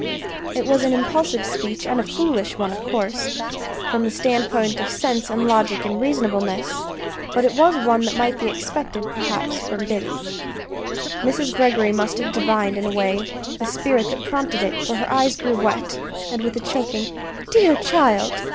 It was an impulsive speech, and a foolish one, of course, from the standpoint of sense and logic and reasonableness; but it was one that might be expected, perhaps, from Billy. Mrs. Greggory must have divined, in a way, the spirit that prompted it, for her eyes grew wet, and with a choking "Dear child!"